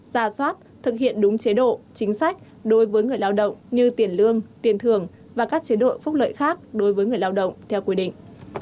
ra soát thực hiện đúng chế độ chính sách đối với người lao động như tiền lương tiền thường và các chế độ phúc lợi khác đối với người lao động theo quy định